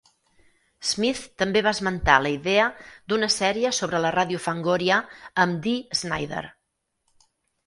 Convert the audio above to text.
Smith també va esmentar la idea d'una sèrie sobre la ràdio Fangoria amb Dee Snider.